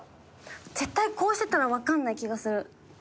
絶対こうしてたら分かんない気がする。